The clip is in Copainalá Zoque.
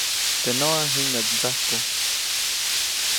Teʼ noʼa jiŋäʼt ndsajku.